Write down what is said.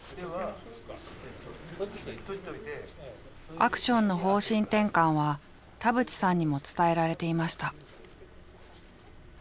アクションの方針転換は田渕さんにも伝えられていました。